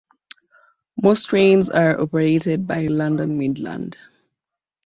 Most trains are operated by London Midland.